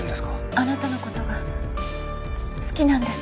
あなたのことが好きなんです。